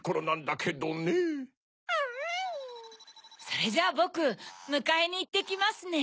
それじゃぼくむかえにいってきますね。